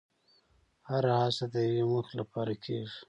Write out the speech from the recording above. هره هڅه د یوې موخې لپاره کېږي.